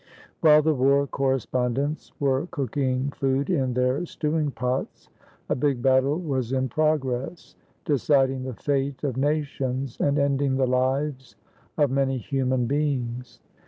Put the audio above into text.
While the war correspondents were cooking food in their stewing pots a big battle was in progress, deciding the fate of nations and ending the lives of many human beings.